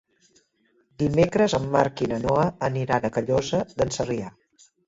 Dimecres en Marc i na Noa aniran a Callosa d'en Sarrià.